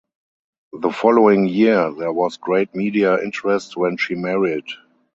The following year there was great media interest when she married.